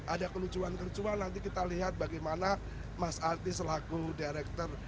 ada kelucuan kelucuan nanti kita lihat bagaimana mas arti selaku director